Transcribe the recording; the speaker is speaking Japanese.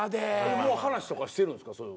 もう話とかしてるんですかそういう。